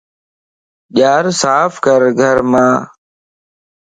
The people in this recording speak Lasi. ڄار صاف ڪر گھرمان